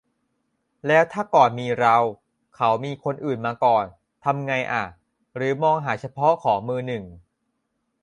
แล้วถ้าก่อนมีเรา เขามีคนอื่นมาก่อนทำไงอะ หรือมองหาเฉพาะของมือหนึ่ง